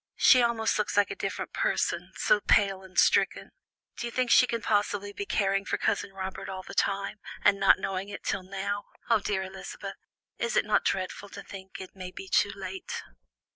She almost looks like a different person, so pale and stricken. Do you think she can possibly be caring for Cousin Robert all the time, and not know it till now? Oh, dear Elizabeth, is it not dreadful to think it may be too late?"